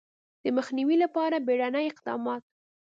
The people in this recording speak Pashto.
د مخنیوي لپاره بیړني اقدامات